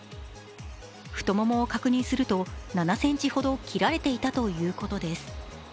太ももを確認すると、７ｃｍほど切られていたということです。